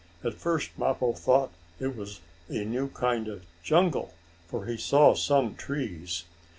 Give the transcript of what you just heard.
At first Mappo thought it was a new kind of jungle, for he saw some trees.